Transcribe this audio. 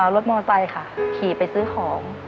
รถมอไซค์ค่ะขี่ไปซื้อของ